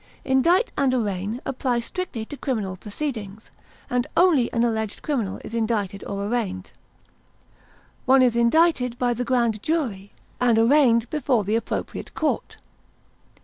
Indict and arraign apply strictly to criminal proceedings, and only an alleged criminal is indicted or arraigned. One is indicted by the grand jury, and arraigned before the appropriate court.